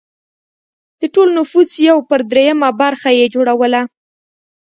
د ټول نفوس یو پر درېیمه برخه یې جوړوله